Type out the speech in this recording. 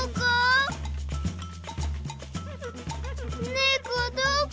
ねこどこ？